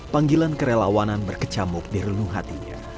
panggilan kerelawanan berkecamuk di renung hatinya